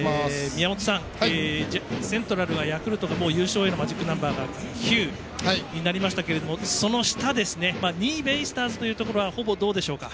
宮本さん、セントラルはもうヤクルトが優勝へのマジックナンバー９になりましたけれどもその下、２位ベイスターズというところはほぼどうでしょうか？